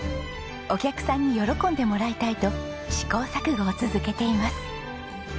お客さんに喜んでもらいたいと試行錯誤を続けています。